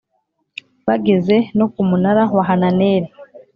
bageza no ku Munara wa Hananeli